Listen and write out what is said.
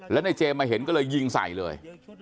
แล้วในเจมส์มาเห็นก็เลยยิงใส่เลย